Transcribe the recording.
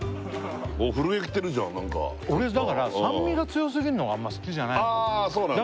おっ震えきてるじゃんなんか俺だから酸味が強すぎるのがあんま好きじゃないんだよね